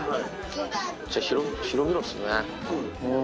じゃあ、広々っすね。